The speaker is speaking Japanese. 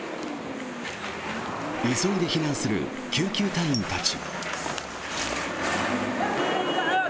急いで避難する救急隊員たち。